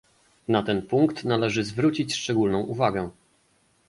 Na ten punkt należy zwrócić szczególną uwagę